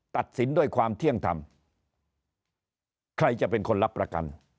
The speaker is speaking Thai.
ตัดสินด้วยความเที่ยงธรรมใครจะเป็นคนรับประกัน